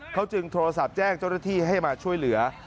เขาจึงโทรศัพท์แจ้งเจ้าหน้าที่ให้มาช่วยเหลือ